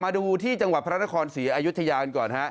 มาดูที่จังหวัดพระนครศรีอายุทยากันก่อนฮะ